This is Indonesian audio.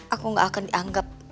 aku gak akan dianggap